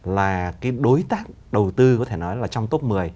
là cái đối tác đầu tư có thể nói là trong top một mươi